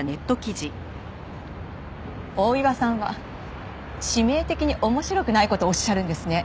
大岩さんは致命的に面白くない事をおっしゃるんですね。